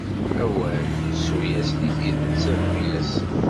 Awal, ssu-yas di tidet, rrnu-yas.